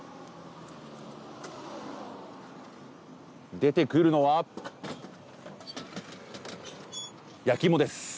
出てくるのは焼き芋です。